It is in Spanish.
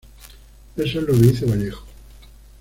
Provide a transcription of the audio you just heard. Eso es lo que dice Vallejo.